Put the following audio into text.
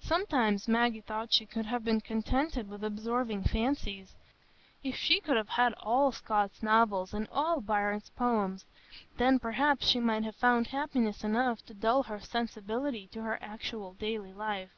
Sometimes Maggie thought she could have been contented with absorbing fancies; if she could have had all Scott's novels and all Byron's poems!—then, perhaps, she might have found happiness enough to dull her sensibility to her actual daily life.